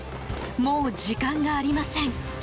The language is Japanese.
もう時間がありません。